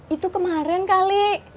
itu kemarin kali